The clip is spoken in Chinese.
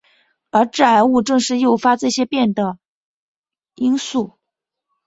而致癌物正是诱发这些变的因素。